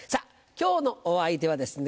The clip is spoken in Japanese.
今日のお相手はですね